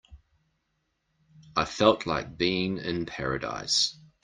I felt like being in paradise.